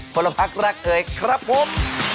พลพักรักเอ่ยครับผม